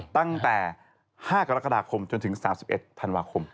ตั้งแต่๕กรกฎาคมจนถึง๓๑ธันวาคม